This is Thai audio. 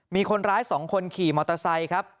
มีคนร้าย๒คนขี่มอเตอร์ไซค์ครับ